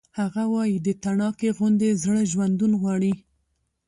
هغه وایی د تڼاکې غوندې زړه ژوندون غواړي